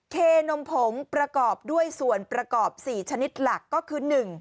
เคนมผงประกอบด้วยส่วนประกอบ๔ชนิดหลักก็คือ๑